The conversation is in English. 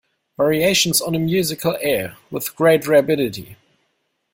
Variations on a musical air With great rapidity.